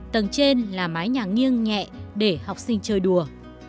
tầng trên là mái nhà nghiêng nhẹ để học sinh chơi đùa